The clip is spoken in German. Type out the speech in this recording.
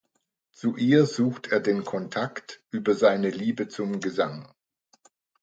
Zu ihr sucht er den Kontakt über seine Liebe zum Gesang.